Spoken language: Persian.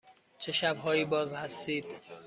چه شب هایی باز هستید؟